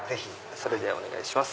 それでお願いします。